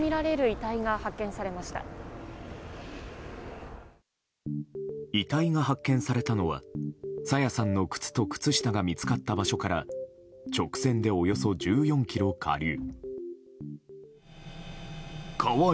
遺体が発見されたのは朝芽さんの靴と靴下が見つかった場所から直線でおよそ１４ｋｍ下流。